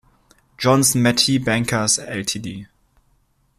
Johnson Matthey Bankers Ltd.